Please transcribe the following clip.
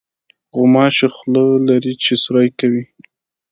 غوماشه خوله لري چې سوري کوي.